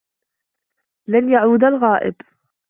لَنْ يَعُودَ الْغَائِبُ.